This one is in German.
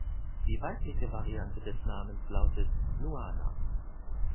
Die weibliche Variante des Namens lautet Luana.